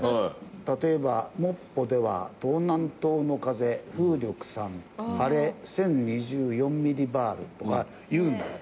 例えば「木浦では東南東の風風力３晴れ１０２４ミリバール」とか言うんだよ。